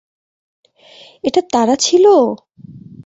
এটা তারা ছিল!